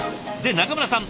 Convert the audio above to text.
中村さん